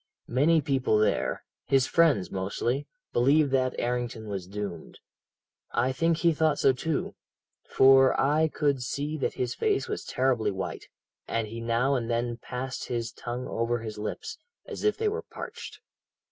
Many people there his friends, mostly believed that Errington was doomed. I think he thought so, too, for I could see that his face was terribly white, and he now and then passed his tongue over his lips, as if they were parched.